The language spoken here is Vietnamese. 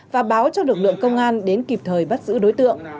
và báo cho lực lượng công an đến kịp thời bắt giữ đối tượng